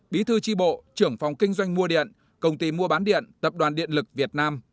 bí thư tri bộ trưởng phòng kinh doanh mua điện công ty mua bán điện tập đoàn điện lực việt nam